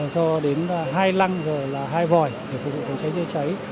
cho đến hai lăng hai vòi để phục vụ phòng cháy chữa cháy